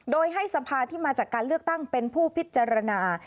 โดยให้สภาที่มาจากการเลือกตั้งเป็นผู้พิจารณา